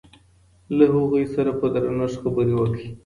له هغوی سره په درنښت خبرې وکړئ.